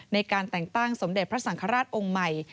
ในการแต่งตั้งสมเด็จพระสังฆราชองค์ใหม่